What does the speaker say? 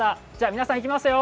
皆さん、いきますよ。